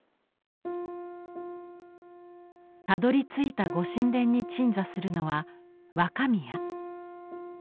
たどりついたご神殿に鎮座するのは若宮。